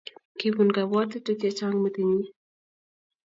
Kibun kabwatutik chechang metinyi